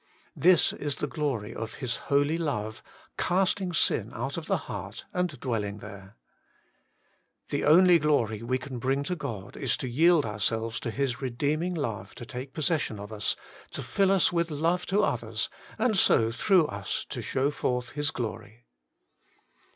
2. This glory is the glory of His holy love, casting sin out of the heart, and dwelling there 3. The only glory we can bring to God is to yield ourselves to His redeeming love to take possession of us, to fill us with love to others, and so through us to show forth His glory.